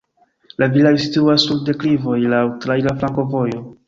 La vilaĝo situas sur deklivoj, laŭ traira flankovojo.